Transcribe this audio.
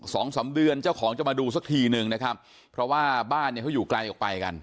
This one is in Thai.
สองสามเดือนเจ้าของจะมาดูสักทีนึงนะครับเพราะว่าบ้านเนี่ยเขาอยู่ไกลออกไปกัน